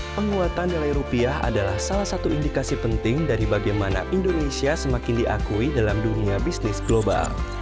penguatan nilai rupiah adalah salah satu indikasi penting dari bagaimana indonesia semakin diakui dalam dunia bisnis global